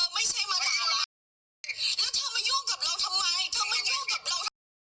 มึงบอกใคร